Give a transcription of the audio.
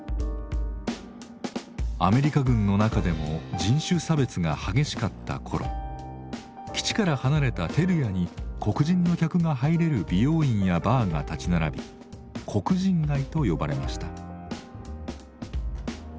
アメリカ軍の中でも人種差別が激しかった頃基地から離れた照屋に黒人の客が入れる美容院やバーが立ち並び黒人街と呼ばれました。